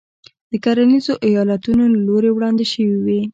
د کرنیزو ایالتونو له لوري وړاندې شوې وې.